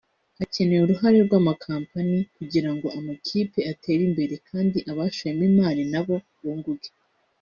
Hakenewe uruhare rw’amakampani kugira ngo amakipe atere imbere kandi abashoyemo imari na bo bunguke